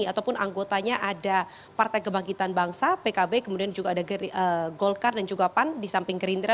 ataupun anggotanya ada partai kebangkitan bangsa pkb kemudian juga ada golkar dan juga pan di samping gerindra